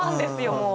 もう。